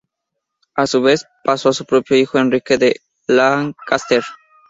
A su vez, pasó a su propio hijo Enrique de Lancaster.